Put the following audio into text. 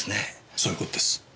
そういう事です。